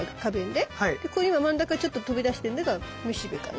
で今真ん中ちょっと飛び出してんのがめしべかな。